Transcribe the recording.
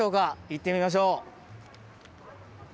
行ってみましょう。